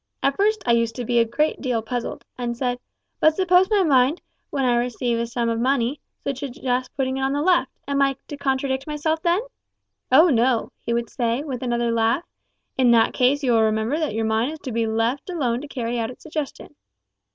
At first I used to be a good deal puzzled, and said, `But suppose my mind, when I receive a sum of money, should suggest putting it on the left, am I to contradict myself then?' `Oh no!' he would say, with another laugh, `in that case you will remember that your mind is to be left alone to carry out its suggestion.'